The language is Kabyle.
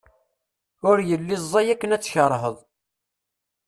Ur yelli ẓẓay akken ad tkerheḍ.